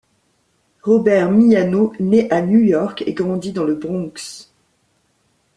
Robert Miano naît à New York et grandi dans le Bronx.